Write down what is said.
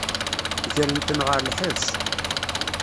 Gran-ten ɣer lḥebs.